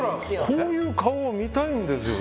こういう顔を見たいんですよ。